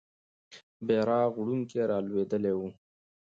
بیرغ وړونکی رالوېدلی وو.